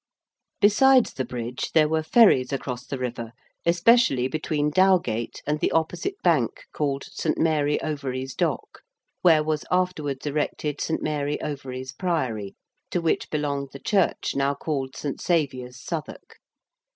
_)] Besides the Bridge there were ferries across the river, especially between Dowgate and the opposite bank called St. Mary Overies Dock, where was afterwards erected St. Mary Overies Priory, to which belonged the church now called St. Saviour's, Southwark.